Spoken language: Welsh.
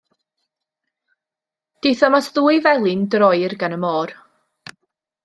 Daethom at ddwy felin droir gan y môr.